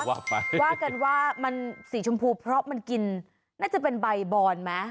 ว่าไปว่ากันว่ามันสีชมพูเพราะมันกินน่าจะเป็นใบบอนไหม